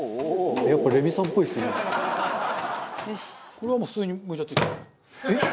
これはもう普通にむいちゃっていいんですか？